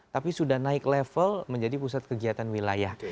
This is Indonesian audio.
tapi sudah naik level menjadi pusat kegiatan wilayah